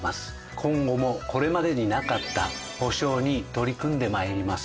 今後もこれまでになかった補償に取り組んで参ります。